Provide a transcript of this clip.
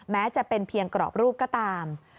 แม้จะเป็นเพียงกรอบรูปก็ตาม